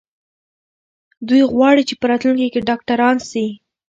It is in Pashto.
دوی غواړي چې په راتلونکي کې ډاکټران سي.